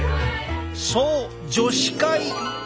そう女子会！